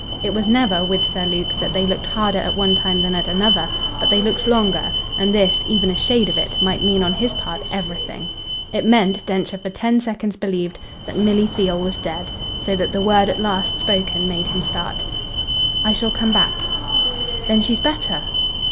It was never, with Sir Luke, that they looked harder at one time than at another; but they looked longer, and this, even a shade of it, might mean on his part everything. It meant, Densher for ten seconds believed, that Milly Theale was dead; so that the word at last spoken made him start. "I shall come back." "Then she's better?"